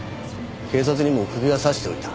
警察にも釘は刺しておいた。